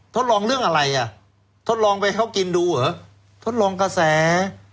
ทดลองเรื่องอะไรอ่ะทดลองไปให้เขากินดูเหรอทดลองกระแส